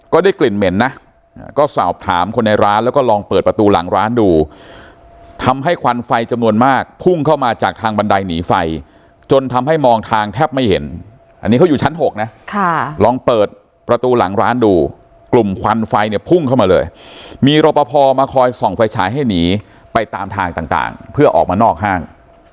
ได้กลิ่นเหม็นนะก็สอบถามคนในร้านแล้วก็ลองเปิดประตูหลังร้านดูทำให้ควันไฟจำนวนมากพุ่งเข้ามาจากทางบันไดหนีไฟจนทำให้มองทางแทบไม่เห็นอันนี้เขาอยู่ชั้น๖นะลองเปิดประตูหลังร้านดูกลุ่มควันไฟเนี่ยพุ่งเข้ามาเลยมีรปภมาคอยส่องไฟฉายให้หนีไปตามทางต่างเพื่อออกมานอกห้าง